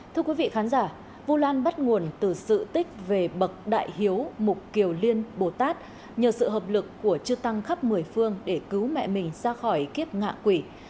thưa quý vị khán giả vũ lan bắt nguồn từ sự tích về bậc đại hiếu mục kiều liên bồ tát nhờ sự hợp lực của chư tăng khắp một mươi phương để cứu mẹ mình ra khỏi kiếp ngạ quỷ